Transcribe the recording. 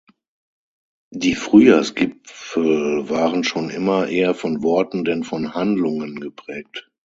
Die Frühjahrsgipfel waren schon immer eher von Worten denn von Handlungen geprägt.